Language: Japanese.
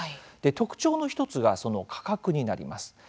特徴の１つがその価格になります。